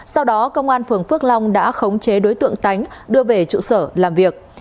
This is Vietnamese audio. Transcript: sau đó công an phường phước long đã khống chế đối tượng tánh đưa về trụ sở làm việc